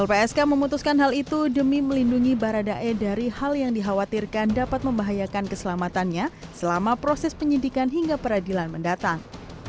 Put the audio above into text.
lpsk memutuskan hal itu demi melindungi baradae dari hal yang dikhawatirkan dapat membahayakan keselamatannya selama proses penyidikan hingga peradilan mendatang